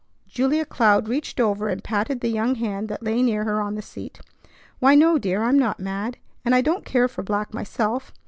Julia Cloud reached over and patted the young hand that lay near her on the seat. "Why, no, dear! I'm not mad, and I don't care for black myself.